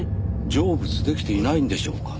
成仏できていないんでしょうかね。